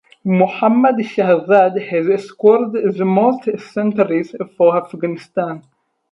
Mohammad Shahzad has scored the most centuries for Afghanistan.